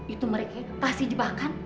itu mereka pasti jebakan